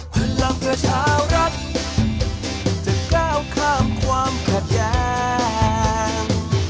พลังประชาวรักษ์จะก้าวข้ามความแขกแยง